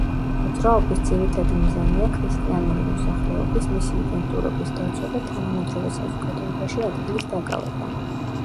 მოძრაობის ძირითადი მიზანია ქრისტიანული მოსახლეობის, მისი იდენტურობის დაცვა და თანამედროვე საზოგადოებაში ადგილის დაკავება.